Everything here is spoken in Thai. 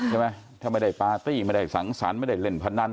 ใช่ไหมถ้าไม่ได้ปาร์ตี้ไม่ได้สังสรรค์ไม่ได้เล่นพนัน